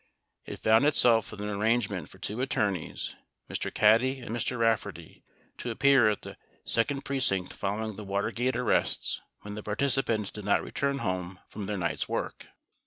It found itself with an arrangement for two attorneys, Mr. Caddy and Mr. Rafferty, to appear at the second precinct following the Watergate arrests, when the participants did not return home from their night's work.